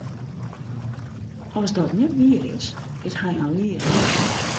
As dat net wier is, is hy in liger.